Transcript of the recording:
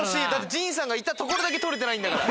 陣さんがいたところだけ取れてないんだから。